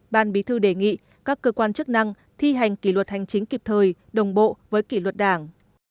ban bí thư đề nghị các cơ quan chức năng thi hành kỷ luật hành chính kịp thời đồng bộ với kỷ luật đảng